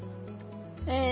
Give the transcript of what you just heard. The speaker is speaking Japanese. え！